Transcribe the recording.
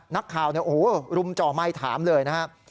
นักข่าวรุมเจาะไม้ถามเลยนะฮะ